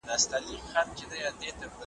دلته یې بشپړه بڼه لوستلای سئ .